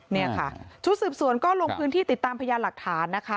นี่ค่ะชุดสืบสวนก็ลงพื้นที่ติดตามพยานหลักฐานนะคะ